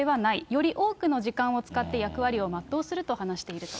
より多くの時間を使って役割をまっとうすると話していると。